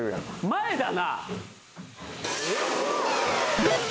前だな。